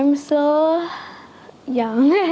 aku masih muda